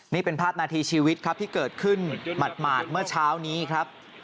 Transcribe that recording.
นี่เป็นภาพนาทีชีวิตครับที่เกิดขึ้นหมาดเมื่อเช้านี้ครับ